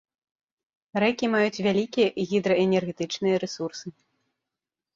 Рэкі маюць вялікія гідраэнергетычныя рэсурсы.